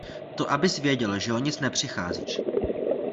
To abys věděl, že o nic nepřicházíš.